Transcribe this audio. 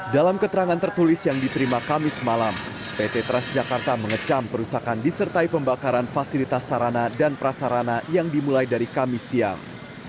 dalam keterangan tertulis yang diterima kamis malam pt transjakarta mengecam perusakan disertai pembakaran fasilitas sarana dan prasarana yang dimulai dari kami siang